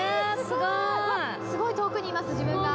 すごい遠くにいます自分が。